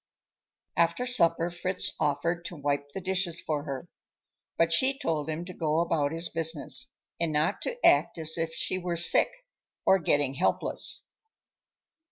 After supper Fritz offered to wipe the dishes for her, but she told him to go about his business, and not to act as if she were sick or getting helpless.